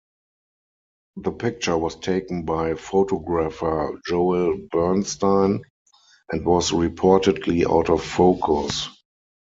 The picture was taken by photographer Joel Bernstein and was reportedly out of focus.